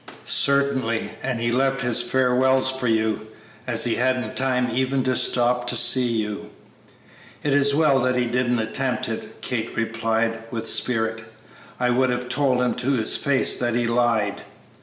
"Certainly, and he left his farewells for you, as he hadn't time even to stop to see you." "It is well that he didn't attempt it," Kate replied, with spirit; "I would have told him to his face that he lied."